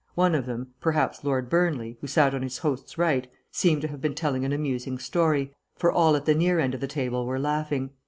One of them perhaps Lord Burnley, who sat on his host's right seemed to have been telling an amusing story, for all at the near end of the table were laughing.